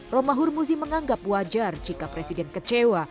romah hurmuzi menganggap wajar jika presiden kecewa